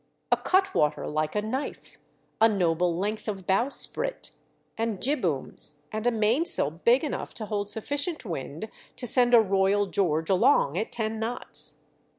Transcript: A cutwater like a knife, a noble length of bowsprit, and jibbooms, and a mainsail big enough to hold sufficient wind to send a Royal George along at ten knots.